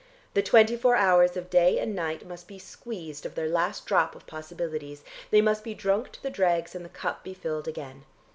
The twenty four hours of day and night must be squeezed of their last drop of possibilities; they must be drunk to the dregs and the cup be filled again.